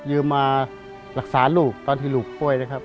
ยืมมารักษาลูกตอนที่ลูกป่วยนะครับ